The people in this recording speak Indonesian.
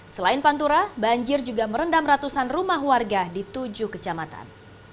selain pantura banjir juga merendam ratusan rumah warga di tujuh kecamatan